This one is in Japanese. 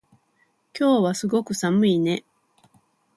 今日はすごく寒いね